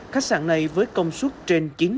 khách sạn này với công suất trên chín trăm linh m